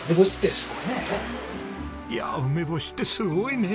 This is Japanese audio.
いやあ「梅干しってすごいね」